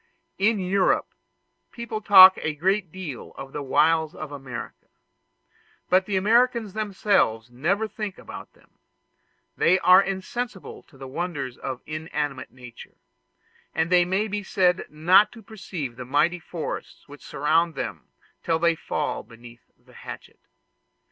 In Europe people talk a great deal of the wilds of America, but the Americans themselves never think about them: they are insensible to the wonders of inanimate nature, and they may be said not to perceive the mighty forests which surround them till they fall beneath the hatchet.